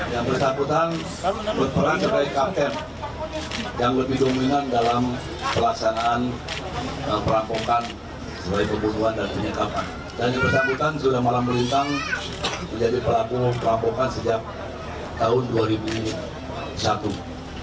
jadi pelaku perampokan sejak tahun dua ribu satu sampai sekarang